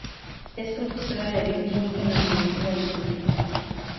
Es profesora de bioquímica en la Universidad de Duke.